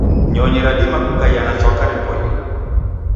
Nyonyi radima kukaia na chwaka ripoie.